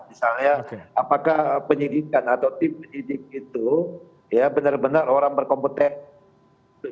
misalnya apakah penyidikan atau tim penyidik itu ya benar benar orang berkompetensi